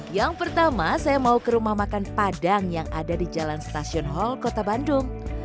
yang pertama saya mau ke rumah makan padang yang ada di jalan stasiun hall kota bandung